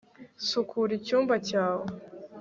sukura icyumba cyawe